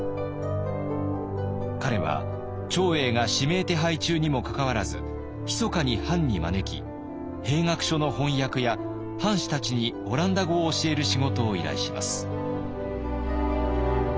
彼は長英が指名手配中にもかかわらずひそかに藩に招き兵学書の翻訳や藩士たちにオランダ語を教える仕事を依頼します。